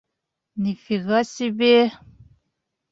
— Ни фига себе...